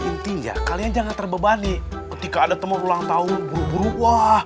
hari ulang tahun saja jadi intinya kalian jangan terbebani ketika ada teman ulang tahun buru buru wah